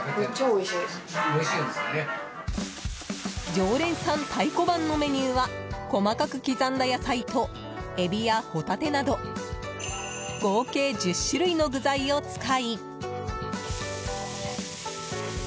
常連さん太鼓判のメニューは細かく刻んだ野菜とエビやホタテなど合計１０種類の具材を使い。